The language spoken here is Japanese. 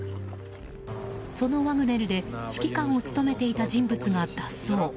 そのワグネルで指揮官を務めていた人物が脱走。